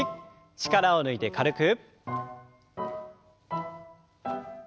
力を抜いて軽く。